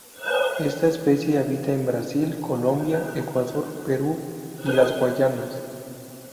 Esta especie habita en Brasil, Colombia, Ecuador, Perú y las Guayanas.